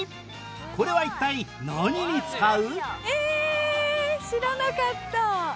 これは一体何に使う？